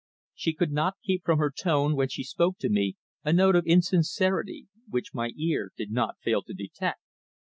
She could not keep from her tone when she spoke to me a note of insincerity, which my ear did not fail to detect.